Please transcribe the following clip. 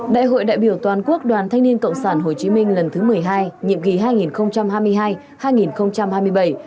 đại hội đại biểu toàn quốc đoàn thanh niên cộng sản hồ chí minh lần thứ một mươi hai nhiệm kỳ hai nghìn hai mươi hai hai nghìn hai mươi bảy